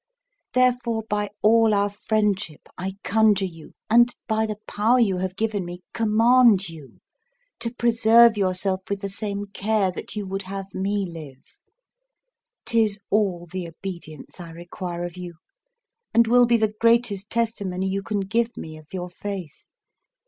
Therefore, by all our friendship I conjure you and, by the power you have given me, command you, to preserve yourself with the same care that you would have me live. 'Tis all the obedience I require of you, and will be the greatest testimony you can give me of your faith.